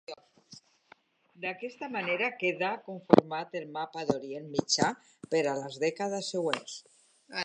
D'aquesta manera quedà conformat el mapa d'Orient Mitjà per a les dècades següents.